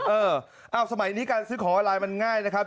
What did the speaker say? เออสมัยนี้การซื้อของออนไลน์มันง่ายนะครับ